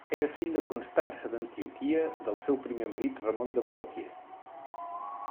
Era fill de Constança d'Antioquia del seu primer marit Ramon de Poitiers.